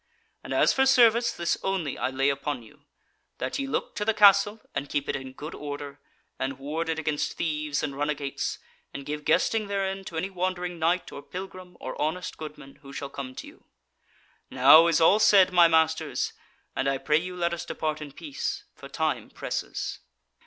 And as for service, this only I lay upon you, that ye look to the Castle and keep it in good order, and ward it against thieves and runagates, and give guesting therein to any wandering knight or pilgrim, or honest goodman, who shall come to you. Now is all said, my masters, and I pray you let us depart in peace; for time presses."